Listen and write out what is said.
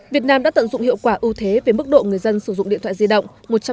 việt nam đã tận dụng hiệu quả ưu thế về mức độ người dân sử dụng điện thoại di động một trăm năm mươi